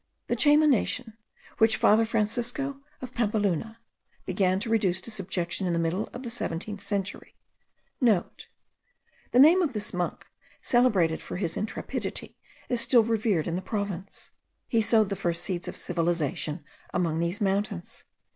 The Chayma nation, which Father Francisco of Pampeluna* began to reduce to subjection in the middle of the seventeenth century (* The name of this monk, celebrated for his intrepidity, is still revered in the province. He sowed the first seeds of civilization among these mountains.